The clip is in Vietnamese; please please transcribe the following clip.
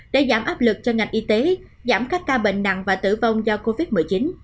để giảm áp lực cho ngành y tế giảm các ca bệnh nặng và tử vong do covid một mươi chín